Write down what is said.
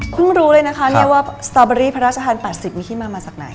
สตรอเบอร์รี่พระราชทาน๘๐มีที่มาจากไหน